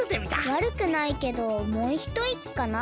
わるくないけどもうひといきかな。